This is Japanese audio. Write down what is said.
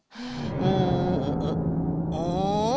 うんうん？